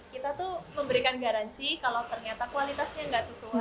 kita tuh memberikan garansi kalau ternyata kualitasnya nggak sesuai kita bisa ganti baru